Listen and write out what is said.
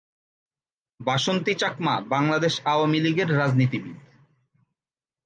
বাসন্তী চাকমা বাংলাদেশ আওয়ামী লীগের রাজনীতিবিদ।